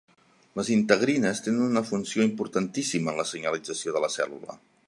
Les integrines tenen una funció importantíssima en la senyalització de la cèl·lula.